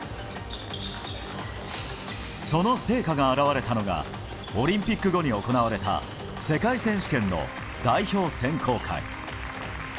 その成果が表れたのがオリンピック後に行われた世界選手権の代表選考会。